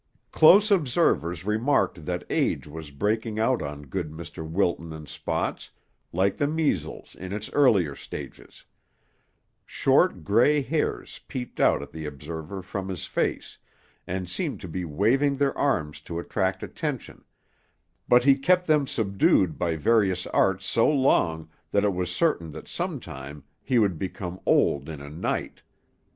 Close observers remarked that age was breaking out on good Mr. Wilton in spots, like the measles in its earlier stages; short gray hairs peeped out at the observer from his face, and seemed to be waving their arms to attract attention, but he kept them subdued by various arts so long that it was certain that some time he would become old in a night.